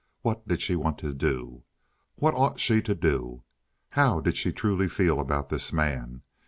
What did she want to do? What ought she to do? How did she truly feel about this man?